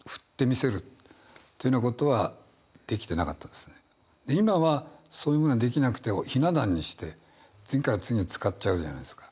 五七五になるとか今はそういうものができなくてひな壇にして次から次へ使っちゃうじゃないですか。